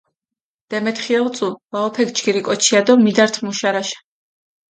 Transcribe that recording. დემეთხია უწუ, ვაჸოფექ ჯგირი კოჩია დო მიდართჷ მუშ შარაშა.